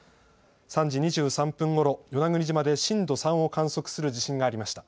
３時２３分ごろ、与那国島で震度３を観測する地震がありました。